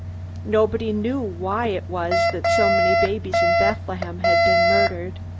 Nobody knew why it was that so many babies in Bethlehem had been murdered.